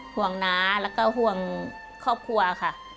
น้าแล้วก็ห่วงครอบครัวค่ะ